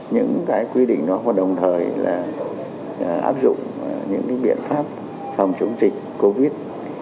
những cái quy định đó và đồng thời là áp dụng những cái biện pháp phòng chống dịch covid một mươi chín